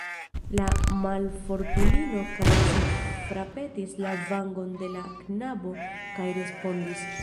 La malfortulino karese frapetis la vangon de la knabo kaj respondis: